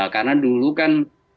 karena dulu kan